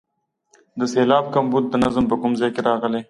د سېلاب کمبود د نظم په کوم ځای کې راغلی.